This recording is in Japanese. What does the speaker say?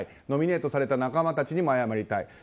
ノミネートされた仲間たちにも謝りたい。